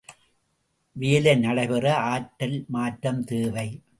வேலை நடைபெற ஆற்றல் மாற்றம் தேவை.